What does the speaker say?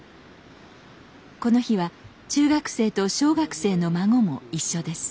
この日は中学生と小学生の孫も一緒です。